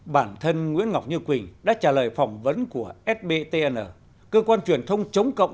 bản thân nguyễn ngọc như quỳnh đã trả lời phỏng vấn của sbtn cơ quan truyền thông chống cộng